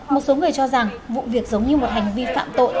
một số người cho rằng vụ việc giống như một hành vi phạm tội